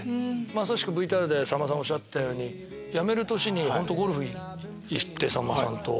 まさしくＶＴＲでさんまさんがおっしゃったようにやめる年にゴルフ行ってさんまさんと。